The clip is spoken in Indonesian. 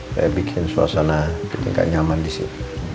saya bikin suasana tidak nyaman disini